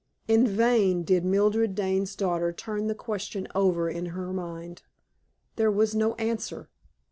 In vain did Mildred Dane's daughter turn the question over in her mind; there was no answer.